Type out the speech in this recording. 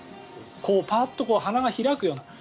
パッと花が開くような。